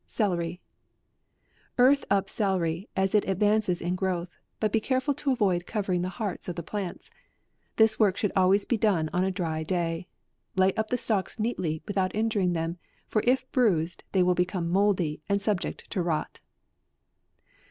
CELERY. " Earth up celery, as it advances in growth, but be careful to avoid covering the hearts of the plants ; this work should always be done in a dry day. Lay up the stalks neatly, without injuring them, for if bruised they will become mouldy, and be subject to rot."